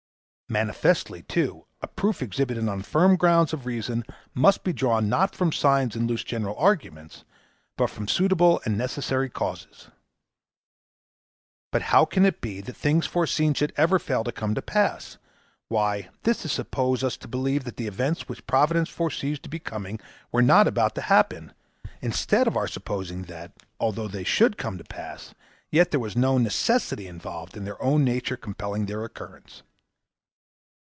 Manifestly, too, a proof established on firm grounds of reason must be drawn not from signs and loose general arguments, but from suitable and necessary causes. But how can it be that things foreseen should ever fail to come to pass? Why, this is to suppose us to believe that the events which providence foresees to be coming were not about to happen, instead of our supposing that, although they should come to pass, yet there was no necessity involved in their own nature compelling their occurrence.